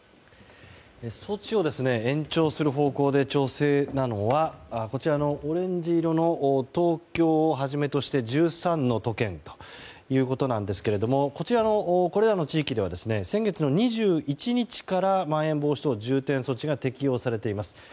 措置を延長する方向で調整なのはこちらのオレンジ色の東京をはじめとした１３の都県ということなんですがこれらの地域では先月の２１日からまん延防止等重点措置が適用されています。